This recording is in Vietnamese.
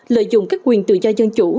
lợi dụng các quyền tự do dân chủ